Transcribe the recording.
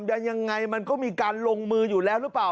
ยังไงมันก็มีการลงมืออยู่แล้วหรือเปล่า